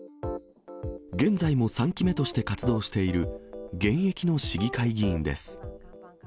現在も３期目として活動している現役の市議会議員です。